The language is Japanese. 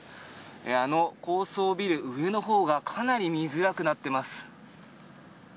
あの高層ビル、上のほうがかなり見づらくなっています。